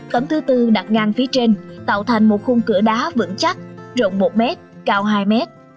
tấm thứ tư đặt ngang phía trên tạo thành một khung cửa đá vững chắc rộng một m cao hai m